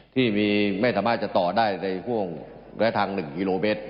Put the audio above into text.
ที่ไม่สามารถจะต่อได้ในกระทั่ง๑กิโลเบต